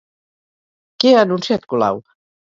Què ha anunciat Colau?